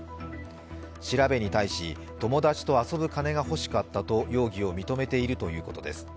調べに対し、友達と遊ぶ金が欲しかったと容疑を認めているということです。